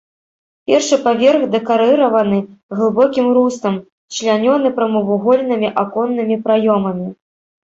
Першы паверх дэкарыраваны глыбокім рустам, члянёны прамавугольнымі аконнымі праёмамі.